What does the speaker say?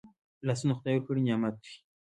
لاسونه خدای ورکړي نعمت دی